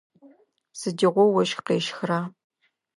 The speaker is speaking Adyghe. Сыдигъо ощх къещхра?